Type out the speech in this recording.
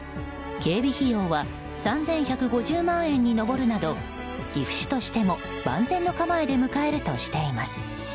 警備費用は３１５０万円に上るなど岐阜市としても万全の構えで迎えるとしています。